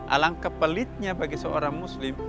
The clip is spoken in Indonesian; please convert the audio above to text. alang kepelitnya bagi seorang muslim